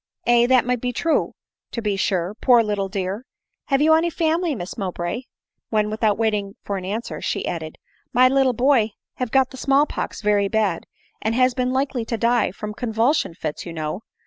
" Aye, that may be true, to be sure, poor little dear ! Have you any family, Miss Mowbray ?"— when, without waiting for an answer, she added, "my little boy have got the small pox very bad, 'and has been likely to die Drom convulsion fits, you know.